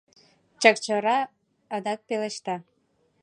Чакчора адак пелешта: